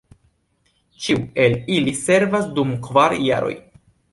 Ĉiu el ili servas dum kvar jaroj.